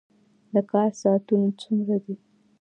د کار ساعتونه څومره دي؟